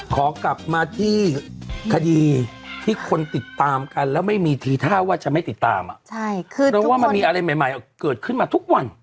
ขอกลับมาที่คดีที่คนติดตามกันแล้วไม่มีทีท่าว่าจะไม่ติดตามเพราะว่ามันมีอะไรใหม่เกิดขึ้นมาทุกวัน